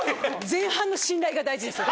前半の信頼が大事ですよ。